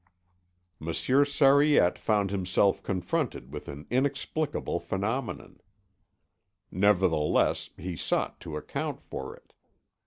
Monsieur Sariette found himself confronted with an inexplicable phenomenon; nevertheless he sought to account for it.